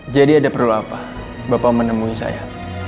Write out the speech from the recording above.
jadi ada perlu apa bapak menemui saya